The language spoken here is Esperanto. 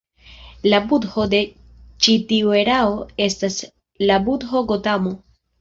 La budho de ĉi tiu erao estas la budho Gotamo.